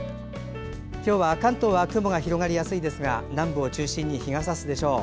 関東は雲が広がりやすいですが南部を中心に日がさすでしょう。